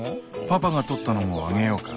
パパが取ったのもあげようか？